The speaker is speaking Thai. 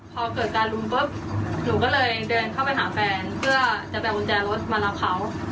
พอเกิดการบุหนปุ๊บหนูก็เลยเดินเข้าไปหาแฟนแค่จะแปงวนแจรถมาแล้วเผา